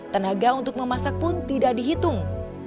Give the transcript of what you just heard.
tenaga untuk memasak pun tidak dihitung